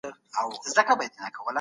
ډیپلوماسي باید د هېواد د عزت استازې وي.